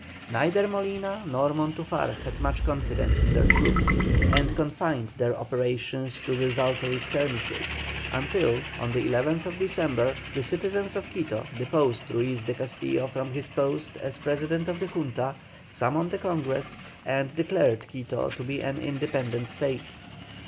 Neither Molina nor Montufar had much confidence in their troops, and confined their operations to desultory skirmishes, until, on the 11th December, the citizens of Quito deposed Ruiz de Castillo from his post as President of the Junta, summoned a Congress, and declared Quito to be an independent State.